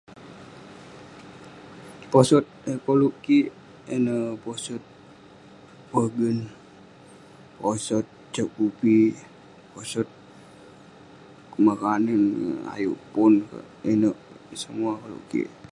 Posut yah koluk kik, posut pogen, posut cep kupi, posut kuman kanen ayuk pun kek, ineuk kek. Ineh semua koluk kik.